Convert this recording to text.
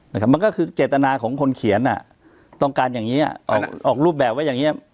นะครับมันก็คือเจตนาของคนเขียนอ่ะต้องการอย่างนี้อ่ะออกออกรูปแบบว่าอย่างเงี้